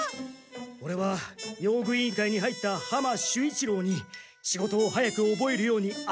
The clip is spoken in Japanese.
オレは用具委員会に入った浜守一郎に仕事を早くおぼえるようにあつく。